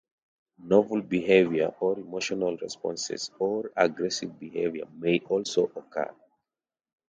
Novel behavior, or emotional responses or aggressive behavior, may also occur.